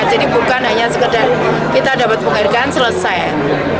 jadi bukan hanya sekedar kita dapat penghargaan selesai